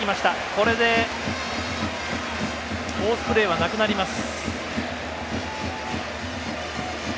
これで、フォースプレーはなくなります。